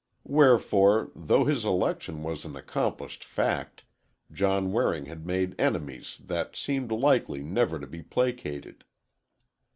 Wherefore, though his election was an accomplished fact, John Waring had made enemies that seemed likely never to be placated.